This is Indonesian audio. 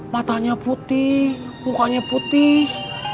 matanya putih mukanya putih